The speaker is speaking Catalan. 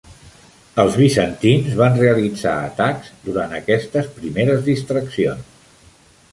Els bizantins van realitzar atacs durant aquestes primeres distraccions.